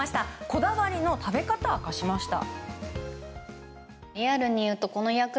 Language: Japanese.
こだわりの食べ方明かしました。